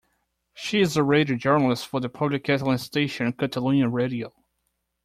She is a radio journalist for the public Catalan station Catalunya Radio.